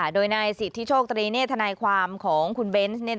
โดยนายสิทธิโชคตรีเนธนายความของคุณเบนส์